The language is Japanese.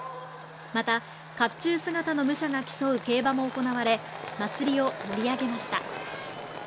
また甲冑姿の武者が競う競馬も行われ、祭りを盛り上げました。